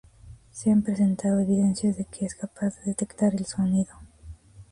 Se han presentado evidencias de que es capaz de detectar el sonido.